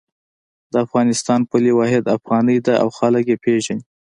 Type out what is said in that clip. د افغانستان پولي واحد افغانۍ ده او خلک یی پیژني